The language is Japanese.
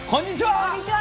こんにちは。